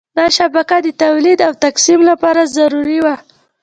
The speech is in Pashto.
دا شبکه د تولید او تقسیم لپاره ضروري وه.